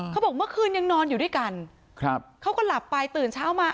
เมื่อคืนยังนอนอยู่ด้วยกันครับเขาก็หลับไปตื่นเช้ามา